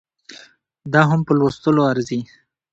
دا هم په لوستلو ارزي